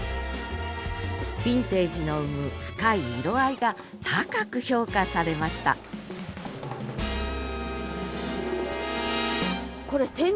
ビンテージの生む深い色合いが高く評価されましたすげえ！